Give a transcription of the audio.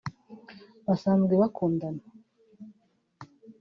basanzwe bakundana